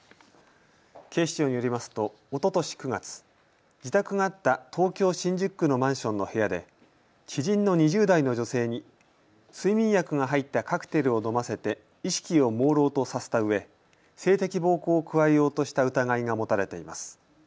警視庁によりますとおととし９月、自宅があった東京新宿区のマンションの部屋で知人の２０代の女性に睡眠薬が入ったカクテルを飲ませて意識をもうろうとさせたうえ性的暴行を加えようとした疑いが持たれています。